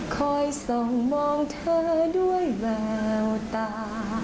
คอยส่องมองเธอด้วยแววตา